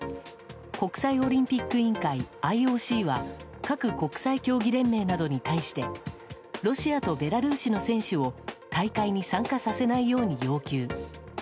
国際オリンピック委員会・ＩＯＣは各国際競技連盟などに対してロシアとベラルーシの選手を大会に参加させないように要求。